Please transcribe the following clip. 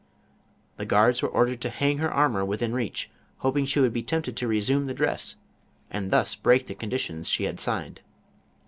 The guards were ordered to hang her armor within reach, hoping she Avould be tempted to. resume the dress, and thus break the conditions she had sigtted.